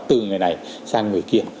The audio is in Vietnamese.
từ người này sang người kia